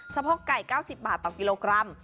โพกไก่๙๐บาทต่อกิโลกรัม